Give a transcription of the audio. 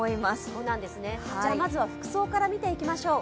まずは服装から見ていきましょう。